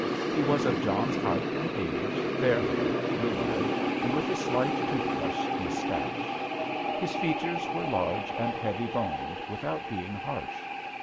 He was of John's height and age, fair haired, blue eyed, and with a slight tooth brush moustache. His features were large and heavy boned, without being harsh.